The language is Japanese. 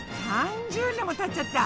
３０年もたっちゃった。